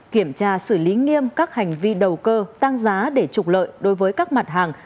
kiểm tra xử lý nghiêm các hành vi đầu cơ tăng giá để trục lợi đối với các mặt hàng